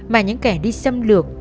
mà những kẻ đi xâm lược